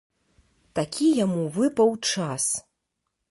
Такі яму выпаў час.